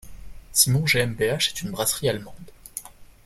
Simon GmbH est une brasserie allemande.